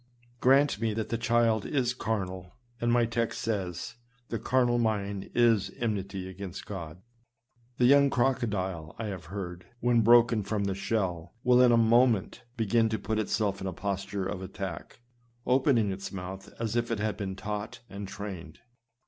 Grant me that the child is car nal, and my text says, " The carnal mind is enmity against God." The young crocodile, I have heard, when broken from the shell, will in a moment begin to THE CARNAL MIND ENMITY AGAINST GOD. 239 put itself in a posture of attack, opening its mouth as if it had been taught and trained.